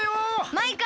マイカ！